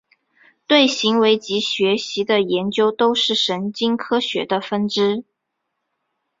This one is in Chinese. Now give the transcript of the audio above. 对行为及学习的研究都是神经科学的分支。